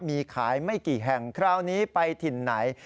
มีขายไม่กี่แห่งคราวนี้ไปถิ่นไหน